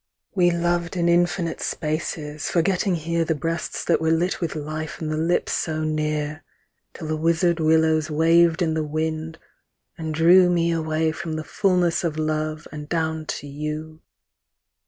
We loved in infinite spaces, forgetting here The breasts that were lit with life and the lips so near; Till the wizard willows waved in the wind and drew Me away from the fulness of love and down to you.